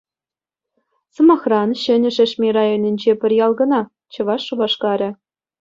Сӑмахран, Ҫӗнӗ Шешме районӗнче пӗр ял кӑна — Чӑваш Шупашкарӗ.